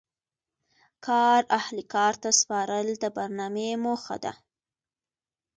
کار اهل کار ته سپارل د برنامې موخه دي.